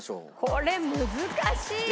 「これ難しいよ」